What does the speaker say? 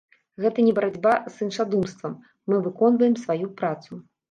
Гэта не барацьба з іншадумствам, мы выконваем сваю працу.